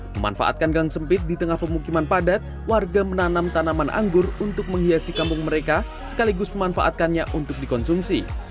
memanfaatkan gang sempit di tengah pemukiman padat warga menanam tanaman anggur untuk menghiasi kampung mereka sekaligus memanfaatkannya untuk dikonsumsi